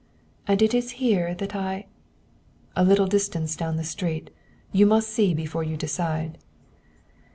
"And it is here that I " "A little distance down the street. You must see before you decide."